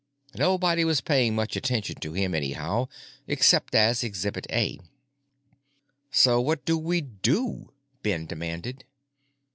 Nobody was paying much attention to him, anyhow, except as Exhibit A. "So what do we do?" Ben demanded.